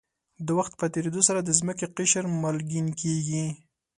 د وخت په تېرېدو سره د ځمکې قشر مالګین کېږي.